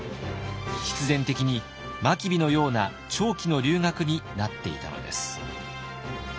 必然的に真備のような長期の留学になっていたのです。